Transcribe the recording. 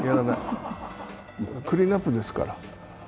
クリーンアップですから。